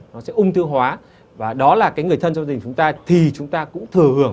nó sẽ ung thư hóa và đó là cái người thân trong gia đình chúng ta thì chúng ta cũng thừa hưởng